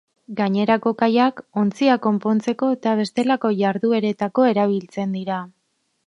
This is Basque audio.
Gainerako kaiak ontziak konpontzeko eta bestelako jardueretarako erabiltzen dira.